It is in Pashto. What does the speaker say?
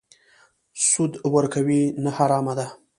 سود ورکوي؟ نه، حرام ده